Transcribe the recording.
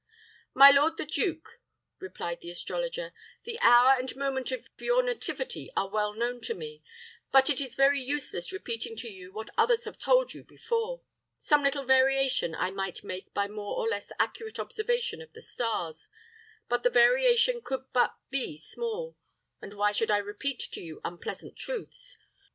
"My lord the duke," replied the astrologer, "the hour and moment of your nativity are well known to me; but it is very useless repeating to you what others have told you before. Some little variation I might make by more or less accurate observation of the stars; but the variation could but be small, and why should I repeat to you unpleasant truths.